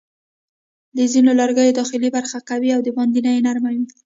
د ځینو لرګیو داخلي برخه قوي او باندنۍ نرمه وي.